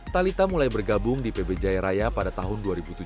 talitha mulai bergabung di pb jaya raya pada tahun dua ribu tujuh belas